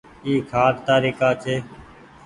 اي کآٽ تآري ڪآ ڇي۔